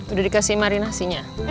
udah dikasih marinasinya